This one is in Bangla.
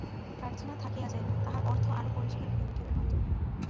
প্রার্থনা থাকিয়া যাইবে, তাহার অর্থ আরও পরিষ্কার হইয়া উঠিবে মাত্র।